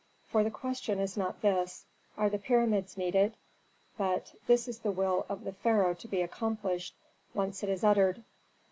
For the question is not this: Are the pyramids needed, but this is the will of the pharaoh to be accomplished, once it is uttered.'